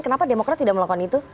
kenapa demokrat tidak melakukan itu